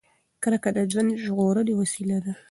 کرکه د ژوند ژغورنې وسیله ده.